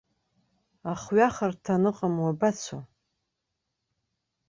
Ахҩахарҭа аныҟам уабацо?